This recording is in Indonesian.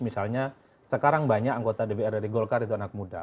misalnya sekarang banyak anggota dpr dari golkar itu anak muda